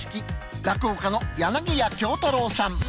落語家の柳家喬太郎さん。